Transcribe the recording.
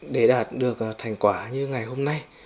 để đạt được thành quả như ngày hôm nay